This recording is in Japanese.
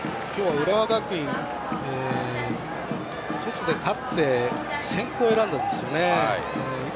今日、浦和学院、トスで勝って先攻を選んだんですよね。